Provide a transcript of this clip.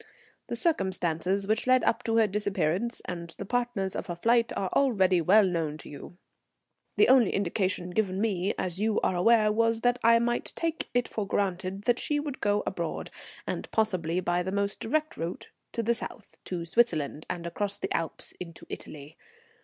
The circumstances which led up to her disappearance and the partners of her flight are already well known to you. The only indication given me, as you are aware, was that I might take it for granted that she would go abroad and probably by the most direct route to the South, to Switzerland and across the Alps into Italy.